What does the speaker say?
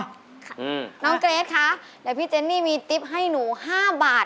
น้องเกรทคะเดี๋ยวพี่เจนนี่มีติ๊บให้หนูห้าบาท